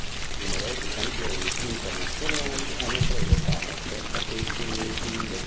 Numerosi campioni internazionali hanno preso parte a questi meeting.